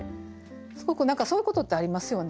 すごく何かそういうことってありますよね。